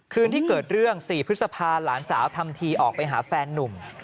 คืนที่เกิดเรื่อง๔พฤษภาหลานสาวทำทีออกไปหาแฟนนุ่ม